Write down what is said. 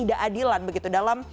tidak adilan begitu dalam